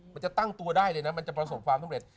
มันจะตั้งตัวได้เลยนะมันจะประสบความสำเร็จ